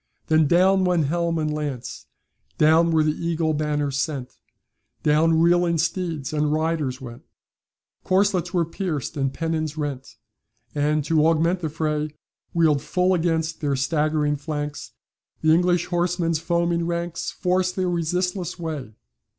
Then down went helm and lance, Down were the eagle banners sent, Down reeling steeds and riders went, Corslets were pierced, and pennons rent; And, to augment the fray, Wheeled full against their staggering flanks, The English horsemen's foaming ranks Forced their resistless way.